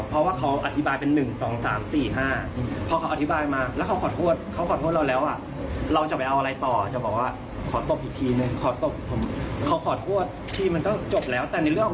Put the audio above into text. ผมก่อนออกมาก็ยังคุยกับที่บ้านว่าฟร้อม